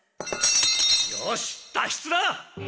よし脱出だ！